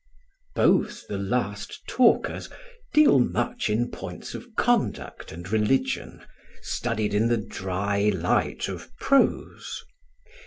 Both the last talkers deal much in points of conduct and religion studied in the "dry light" of prose.